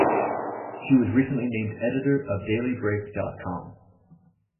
She was recently named editor of Dailybreak dot com.